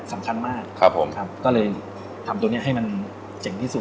สำคัญมากครับผมครับก็เลยทำตัวเนี้ยให้มันเจ๋งที่สุด